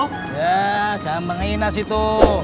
ya jangan mengena situ